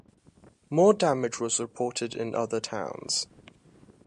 More damage was reported in other towns.